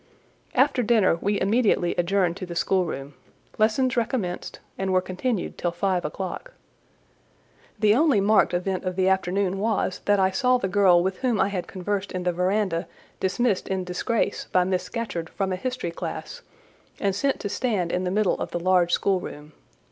After dinner, we immediately adjourned to the schoolroom: lessons recommenced, and were continued till five o'clock. The only marked event of the afternoon was, that I saw the girl with whom I had conversed in the verandah dismissed in disgrace by Miss Scatcherd from a history class, and sent to stand in the middle of the large schoolroom.